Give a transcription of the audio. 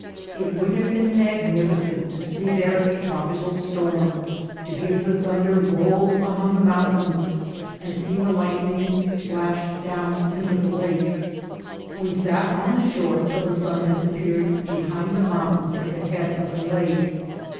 It would have been magnificent to see there a tropical storm, to hear the thunder roll among the mountains, and see the lightnings flash down into the lake. We sat on the shore till the sun disappeared behind the mountains at the head of the lake.